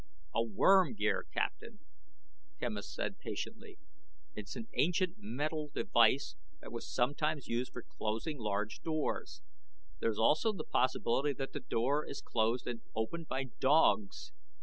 "A worm gear, Captain," Quemos said patiently. "It's an ancient metal device that was sometimes used for closing large doors. There is also the possibility that the door is closed and opened by dogs.